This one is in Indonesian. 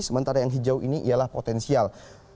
sementara yang hijau ini ialah potensial